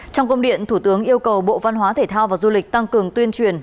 trong công điện thủ tướng yêu cầu bộ văn hóa thể thao và du lịch tăng cường tuyên truyền